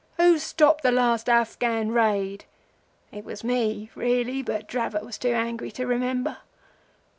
Who stopped the last Afghan raid?' It was me really, but Dravot was too angry to remember.